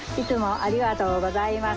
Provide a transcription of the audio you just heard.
ありがとうございます。